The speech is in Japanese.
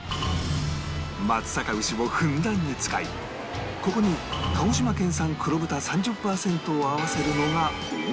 松阪牛をふんだんに使いここに鹿児島県産黒豚３０パーセントを合わせるのが黄金比